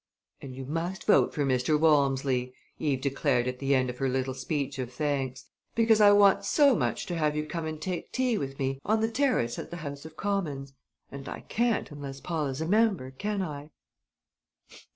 "And you must vote for Mr. Walmsley!" Eve declared at the end of her little speech of thanks, "because I want so much to have you come and take tea with me on the Terrace at the House of Commons and I can't unless Paul is a member, can I?"